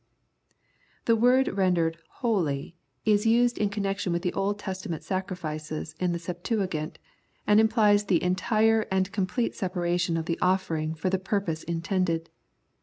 The word rendered " wholly " is used in con nection with the Old Testament sacrifices in the Septuagint, and implies the entire and complete separation of the offering for the purpose intended.